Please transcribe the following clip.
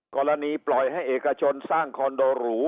กรณีปล่อยให้เอกชนสร้างคอนโดหรู